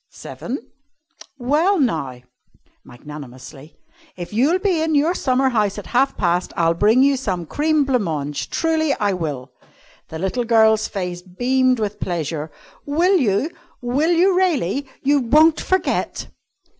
"Seven." "Well, now," magnanimously, "if you'll be in your summer house at half past, I'll bring you some cream blanc mange. Truly I will!" The little girl's face beamed with pleasure. "Will you? Will you really? You won't forget?"